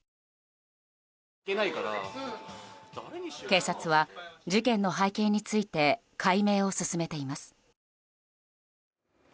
警察は事件の背景について解明を進めています。